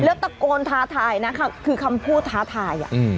แล้วตะโกนท้าทายนะคือคำพูดท้าทาย